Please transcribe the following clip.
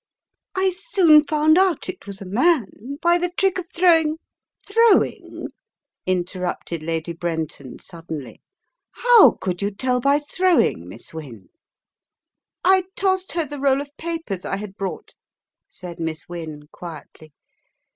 I soon found out that it was a man by the trick of throwing " "Throwing!" interrupted Lady Brenton suddenly. "How could you tell by throwing, Miss Wynne?" "I tossed her the roll of papers I had brought," said Miss Wynne, quietly.